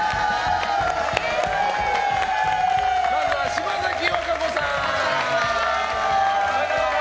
まずは島崎和歌子さん！